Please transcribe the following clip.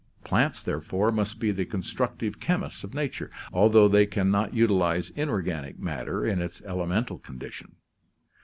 Plants, therefore, must be the constructive chemists of nature, although they can not utilize inorganic matter in its elemental condition.